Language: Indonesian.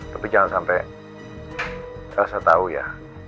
tapi jangan sampai elsa tau ya